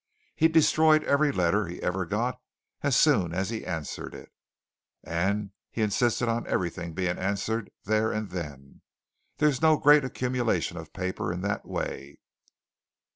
He destroyed every letter he ever got as soon as he'd answered it. And as he insisted on everything being answered there and then, there's no great accumulation of paper in that way!"